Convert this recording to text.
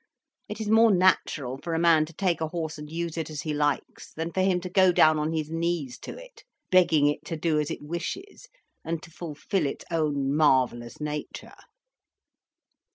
It is more natural for a man to take a horse and use it as he likes, than for him to go down on his knees to it, begging it to do as it wishes, and to fulfil its own marvellous nature."